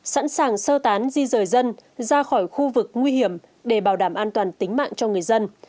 sẵn sàng sơ tán di rời dân ra khỏi khu vực nguy hiểm để bảo đảm an toàn tính mạng cho người dân